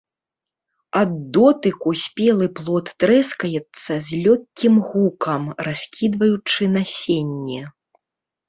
Ад дотыку спелы плод трэскаецца с лёгкім гукам раскідваючы насенне.